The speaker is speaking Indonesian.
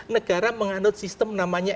negara mengandung sistem namanya